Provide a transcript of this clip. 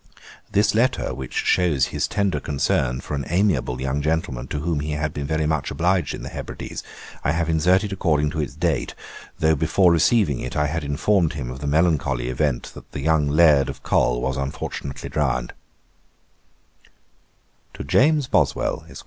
This letter, which shows his tender concern for an amiable young gentleman to whom he had been very much obliged in the Hebrides, I have inserted according to its date, though before receiving it I had informed him of the melancholy event that the young Laird of Col was unfortunately drowned. 'To JAMES BOSWELL, ESQ.